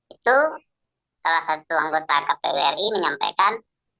itu salah satu anggota kpu ri menyampaikan